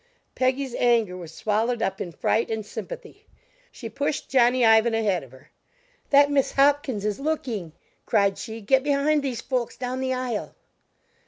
Peggy's anger was swallowed up in fright and sympathy; she pushed Johnny Ivan ahead of her. "That Miss Hopkins is looking," cried she, "get behind these folks down the aisle!"